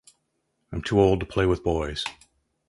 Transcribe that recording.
I'm too old to play with boys.